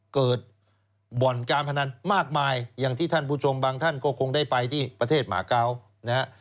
เกิดบ่อนการพนันมากมายอย่างที่ท่านผู้ชมบางท่านก็คงได้ไปที่ประเทศหมาเกานะฮะ